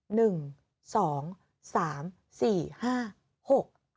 หนึ่งสองสามสี่ห้าหก